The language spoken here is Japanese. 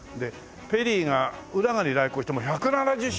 ペリーが浦賀に来港してもう１７０周年。